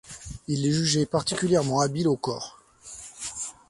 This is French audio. Il est jugé particulièrement habile au cor.